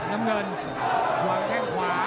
น้ำเงินวางแข้งขวา